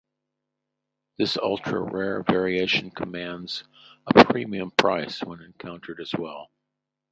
This ultra-rare variation commands a premium price when encountered as well.